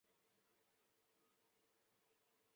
在他一系列相关研究论文中这个议题进一步发展。